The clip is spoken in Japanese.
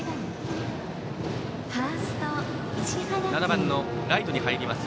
７番のライトに入ります